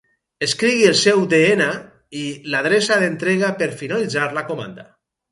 Escrigui el seu de ena i i l'adreça d'entrega per finalitzar la comanda.